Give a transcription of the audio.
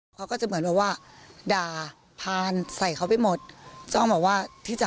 เขาก็จะเหมือนแบบว่าด่าพานใส่เขาไปหมดจ้องบอกว่าที่จะ